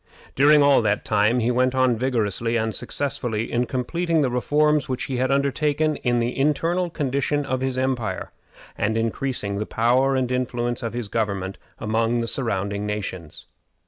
During all that time he went on vigorously and successfully in completing the reforms which he had undertaken in the internal condition of his empire, and increasing the power and influence of his government among surrounding nations.